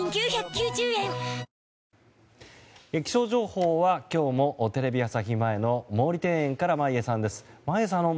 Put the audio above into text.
気象情報は今日もテレビ朝日前の毛利庭園から眞家さんです。